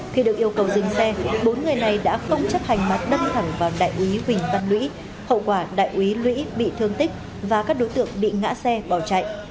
khi được yêu cầu dừng xe bốn người này đã không chấp hành mà đâm thẳng vào đại úy huỳnh văn lũy hậu quả đại úy lũy bị thương tích và các đối tượng bị ngã xe bỏ chạy